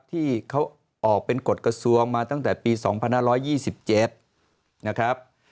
ที่เขาออกเป็นกฎกระทรวงมาตั้งแต่ปี๒๕๒๗นะครับ